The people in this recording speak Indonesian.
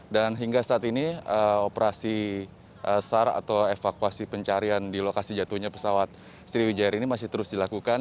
dan hingga saat ini operasi sar atau evakuasi pencarian di lokasi jatuhnya pesawat sriwijaya air ini masih terus dilakukan